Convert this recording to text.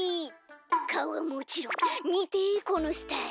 かおはもちろんみてこのスタイル。